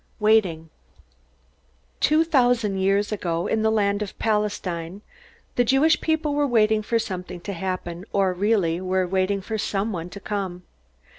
Waiting Two thousand years ago, in the land of Palestine, the Jewish people were waiting for something to happen or, really, were waiting for someone to come.